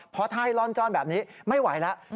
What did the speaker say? เพราะถ้าให้ล่อนจ้อนแบบนี้ไม่ไหวแล้ว